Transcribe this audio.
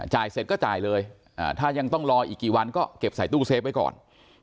เสร็จก็จ่ายเลยถ้ายังต้องรออีกกี่วันก็เก็บใส่ตู้เซฟไว้ก่อน